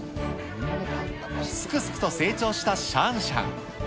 すくすくと成長したシャンシャン。